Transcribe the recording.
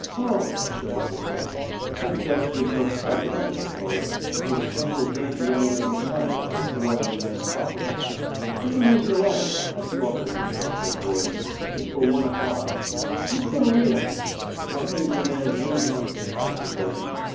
'Ho!' says the cook. 'They'd best be cooked separate, I suppose. The stench'll break the young lady's heart if they're boiled in them coppers.' 'Cook 'em as you like. That's your business,' said Gordon. 'It's for one o'clock.' 'Who's going to eat 'em?' 'How big's a man's windpipe?' asked Gordon.